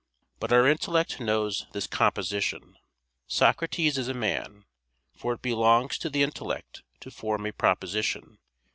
But our intellect knows this composition; "Socrates is a man": for it belongs to the intellect to form a proposition.